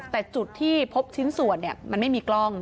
แต่จุดที่พบชิ้นส่วนมันไม่มีกล้อง